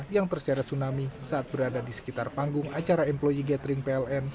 yang terseret tsunami saat berada di sekitar panggung acara employe gathering pln